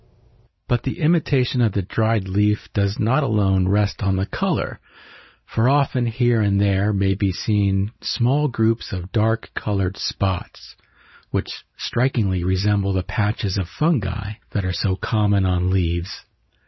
But the imitation of the dried leaf does not alone rest on the color, for often, here and there, may be seen small groups of dark colored spots which strikingly resemble the patches of fungi that are so common on leaves.